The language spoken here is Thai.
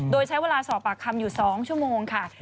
โดยใช้เวลาสอบปากคำอยู่๒ชั่วโมงค่ะ